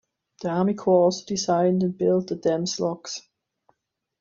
The Army Corps also designed and built the dam's locks.